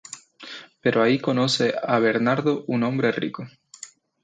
Pero ahí conoce a Bernardo un hombre rico.